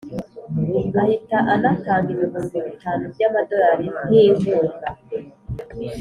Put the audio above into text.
ahita anatanga ibihumbi bitanu by’amadolari nk’inkunga.